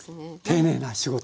丁寧な仕事。